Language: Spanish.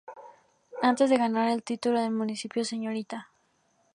Antes de ganar el título del municipio Srta.